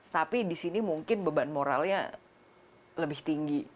tapi di sini mungkin beban moralnya lebih tinggi